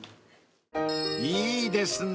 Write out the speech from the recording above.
［いいですね］